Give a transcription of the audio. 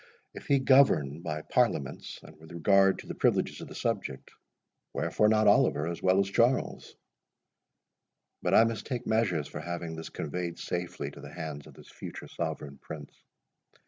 If he govern by Parliaments, and with regard to the privileges of the subject, wherefore not Oliver as well as Charles? But I must take measures for having this conveyed safely to the hands of this future sovereign prince.